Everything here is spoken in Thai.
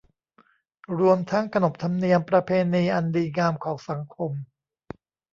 รวมทั้งขนบธรรมเนียมประเพณีอันดีงามของสังคม